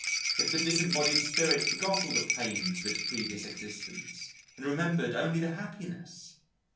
if the disembodied spirit forgot all the pains of its previous existence and remembered only the happiness!